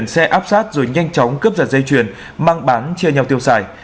xe áp sát rồi nhanh chóng cướp giật dây chuyền mang bán chia nhau tiêu xài